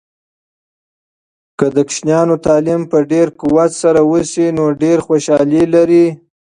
که د ماشومانو تعلیم په ډیر قوت سره وسي، نو ډیر خوشحالي لري.